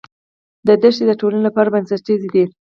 دا دښتې د ټولنې لپاره بنسټیزې دي.